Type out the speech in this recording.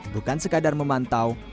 bukan sekadar memantau